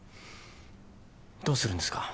どうするんですか？